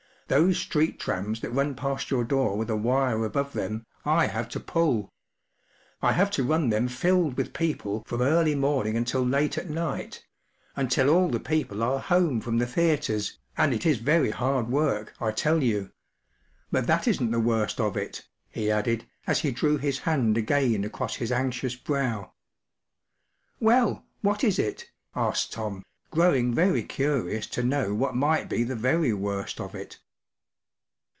Those street trams that run past your door with a wire above them, I have to pull; I have to run them filled with people from early morn¬ ing until late at night—until all the people are home from the theatres, and it is very hard work, I tell you; but that isn’t the worst of it,” he added, as he drew his hand again across his anxious brow. “ Well, what is it ? ” asked Tom, growing very curious to know what might be the very worst of it.